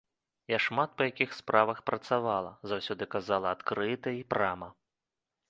Я шмат па якіх справах працавала, заўсёды казала адкрыта і прама.